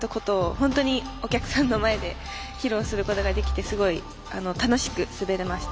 本当にお客さんの前で披露することができてすごい楽しく滑れました。